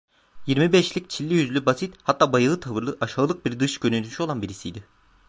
Yirmi beşlik, çilli yüzlü, basit, hatta bayağı tavırlı; aşağılık bir dış görünüşü olan birisiydi.